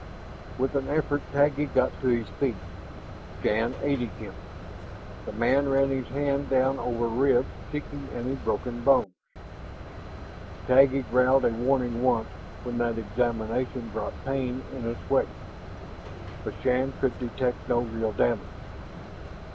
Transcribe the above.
With an effort, Taggi got to his feet, Shann aiding him. The man ran his hand down over ribs, seeking any broken bones. Taggi growled a warning once when that examination brought pain in its wake, but Shann could detect no real damage.